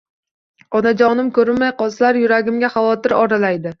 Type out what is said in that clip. Onajonim ko‘rinmay qolsalar yuragimga xavotir oralaydi